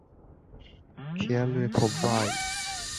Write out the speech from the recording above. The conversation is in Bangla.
খেয়াল রেখো, বায়।